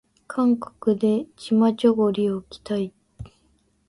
韓国でチマチョゴリを着たい